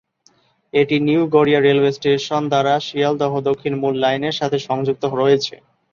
এটি new Garia railway station দ্বারা শিয়ালদহ দক্ষিণ মূল লাইন এর সাথে সংযুক্ত রয়েছে।